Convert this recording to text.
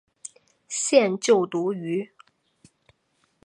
现就读于。